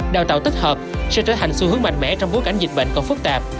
đào tạo tích hợp sẽ trở thành xu hướng mạnh mẽ trong bối cảnh dịch bệnh còn phức tạp